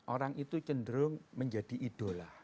orang itu cenderung menjadi idola